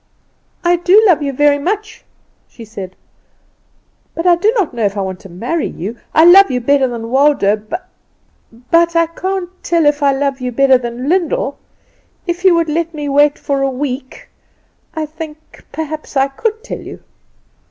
"I do love you very much," she said; "but I do not know if I want to marry you. I love you better than Waldo, but I can't tell if I love you better than Lyndall. If you would let me wait for a week I think perhaps I could tell you."